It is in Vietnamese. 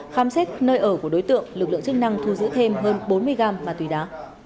khám xét nơi ở của đối tượng lực lượng chức năng thu giữ thêm hơn bốn mươi g ma túy đá